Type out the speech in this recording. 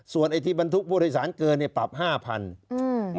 ไอ้ที่บรรทุกผู้โดยสารเกินเนี่ยปรับห้าพันอืม